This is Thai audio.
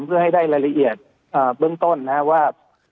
เพื่อให้ได้รายละเอียดเบื้องต้นนะครับว่า